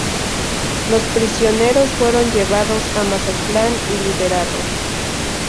Los prisioneros fueron llevados a Mazatlán y liberados.